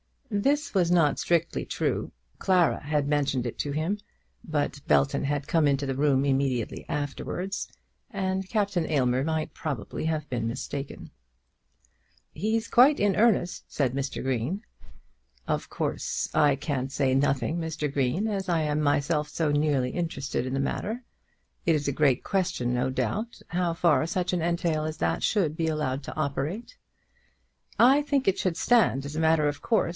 This was not strictly true. Clara had mentioned it to him; but Belton had come into the room immediately afterwards, and Captain Aylmer might probably have been mistaken. "He's quite in earnest," said Mr. Green. "Of course, I can say nothing, Mr. Green, as I am myself so nearly interested in the matter. It is a great question, no doubt, how far such an entail as that should be allowed to operate." "I think it should stand, as a matter of course.